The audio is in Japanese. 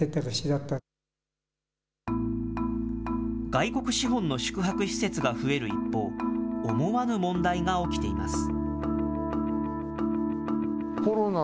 外国資本の宿泊施設が増える一方、思わぬ問題が起きています。